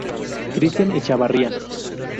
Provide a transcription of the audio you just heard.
Cristian Echavarría